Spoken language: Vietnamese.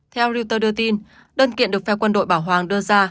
theo reuters đưa tin đơn kiện được phe quân đội bảo hoàng đưa ra